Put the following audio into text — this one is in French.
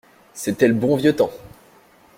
C'était le bon vieux temps!